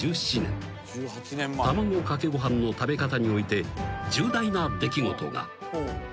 ［卵かけご飯の食べ方において重大な出来事が］